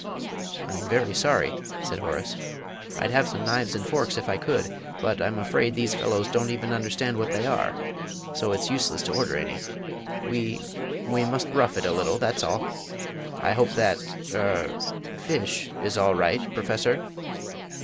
"I'm very sorry," said Horace; "I'd have some knives and forks if I could but I'm afraid these fellows don't even understand what they are, so it's useless to order any. We we must rough it a little, that's all. I hope that er fish is all right, Professor?"